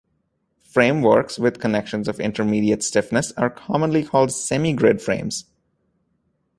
Frame works with connections of intermediate stiffness are commonly called semirigid frames.